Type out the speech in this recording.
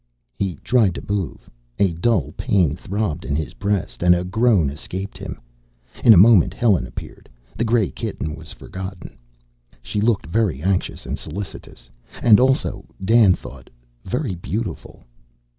He tried to move, a dull pain throbbed in his breast, and a groan escaped him. In a moment Helen appeared; the gray kitten was forgotten. She looked very anxious and solicitous and also, Dan thought, very beautiful.